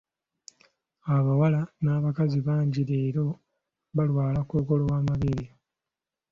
Abawala n'abakazi bangi leero balwala Kkookolo w'amabeere.